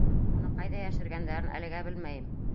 Уны ҡайҙа йәшергәндәрен әлегә белмәйем.